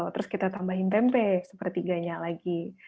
terus kita tambahin tempe satu per tiga nya lagi